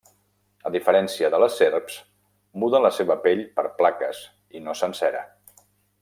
A diferència de les serps, muda la seva pell per plaques i no sencera.